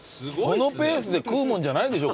このペースで食うもんじゃないでしょ